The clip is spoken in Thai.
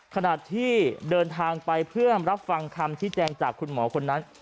ขณะที่เดินทางไปเพื่อรับฟังคำชี้แจงจากคุณหมอคนนั้น